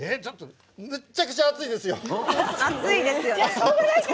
めっちゃくちゃ熱いですよ。